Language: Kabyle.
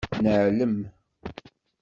Neɛlem.